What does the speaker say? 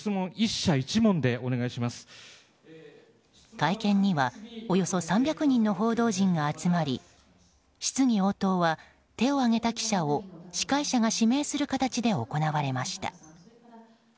会見にはおよそ３００人の報道陣が集まり質疑応答は手を挙げた記者を司会者が指名する形で行われました。